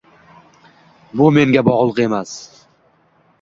Bu menga bog'liq emas.